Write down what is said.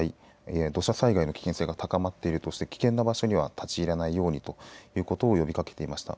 土砂災害の危険性が高まっているとして危険な場所には立ち入らないようにと呼びかけていました。